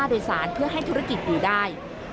และปลอดภัย